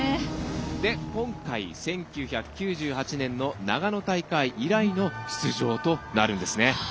今回、１９９８年の長野大会以来の出場となるんです。